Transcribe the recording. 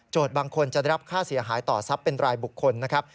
บางคนจะได้รับค่าเสียหายต่อทรัพย์เป็นรายบุคคลนะครับ